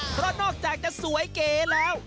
เพราะนอกจากจะสวยเก๋แล้ว